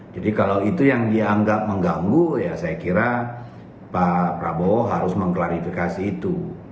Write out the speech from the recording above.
jadi kalau itu yang dianggap mengganggu ya saya kira pak prabowo harus mengklarifikasi itu